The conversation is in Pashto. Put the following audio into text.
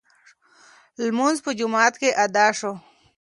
لمونځ په جومات کې ادا شو.